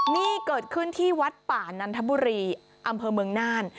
นี่เกิดขึ้นที่วัดป่านันทบุรีอำเภอเมืองน่าน